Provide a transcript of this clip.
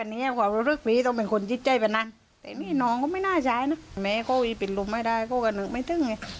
แล้วก็ยัดลงถังสีฟ้าขนาด๒๐๐ลิตร